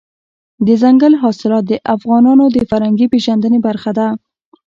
دځنګل حاصلات د افغانانو د فرهنګي پیژندنې برخه ده.